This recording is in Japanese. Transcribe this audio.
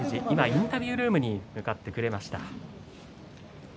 インタビュールームに向かってくれました。